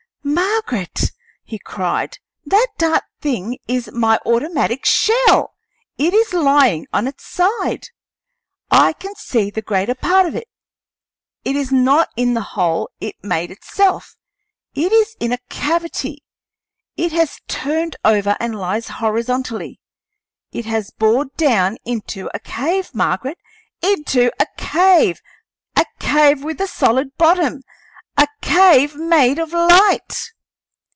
"Margaret," he cried, "that dark thing is my automatic shell! It is lying on its side. I can see the greater part of it. It is not in the hole it made itself; it is in a cavity. It has turned over, and lies horizontally; it has bored down into a cave, Margaret into a cave a cave with a solid bottom a cave made of light!"